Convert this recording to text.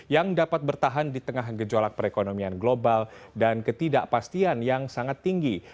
yang dapat bertahan di tengah gejolak perekonomian global dan ketidakpastian yang sangat tinggi